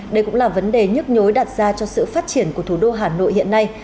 đây cũng là vấn đề nhức nhối đặt ra cho sự phát triển của thủ đô hà nội hiện nay